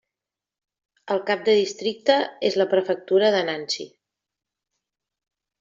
El cap de districte és la prefectura de Nancy.